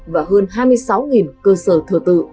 và hơn hai mươi sáu cơ sở thờ tự